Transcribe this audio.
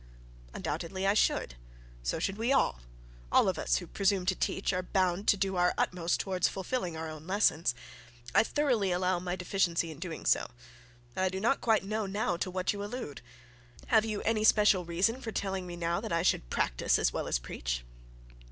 'Undoubtedly I should. So should we all. All of us who presume to teach are bound to do our utmost towards fulfilling our own lessons. I thoroughly allow my deficiency in doing so; but I do not quite know now to what you allude. Have you any special reason for telling me now that I should practise as well as preach?'